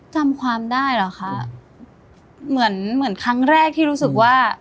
จำความได้เหรอคะเหมือนเหมือนครั้งแรกที่รู้สึกว่า